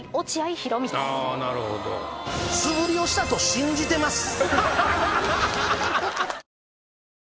素振りをしたと信じてます。